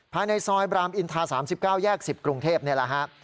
ภายในซอยบรามอินทา๓๙แยก๑๐กรุงเทพนี่แหละฮะ